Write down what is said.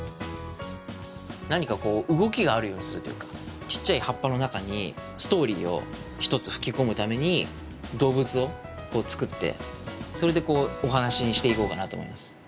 何かこう動きがあるようにするというかちっちゃい葉っぱの中にストーリーを一つふき込むために動物を作ってそれでお話にしていこうかなと思います。